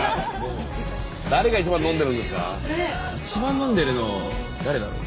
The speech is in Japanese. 誰が一番飲んでるんですか？